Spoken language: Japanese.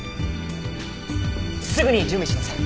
すぐに準備します。